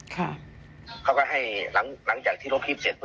เธอให้หลังจากที่รถพลิบเสร็จ